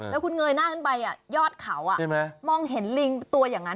แล้วคุณเงยหน้าขึ้นไปยอดเขามองเห็นลิงตัวอย่างนั้น